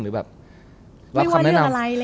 รับคำแนะนำ